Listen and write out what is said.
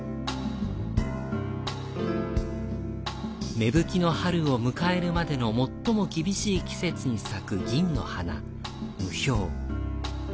芽吹きの春を迎えるまでの最も厳しい季節に咲く銀の花、霧氷。